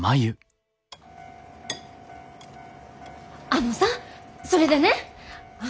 あのさそれでね！